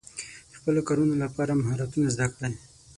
د خپلو کارونو لپاره مهارتونه زده کړئ.